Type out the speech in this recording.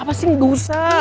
apa sih gak usah